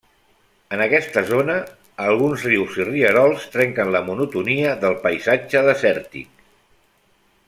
En aquesta zona, alguns rius i rierols trenquen la monotonia del paisatge desèrtic.